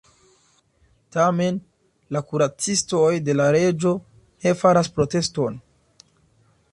Tamen, la kuracistoj de la reĝo ne faras proteston.